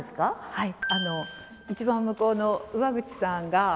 はい。